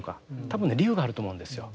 多分ね理由があると思うんですよ。